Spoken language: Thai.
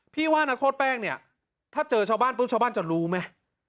ว่านักโทษแป้งเนี่ยถ้าเจอชาวบ้านปุ๊บชาวบ้านจะรู้ไหม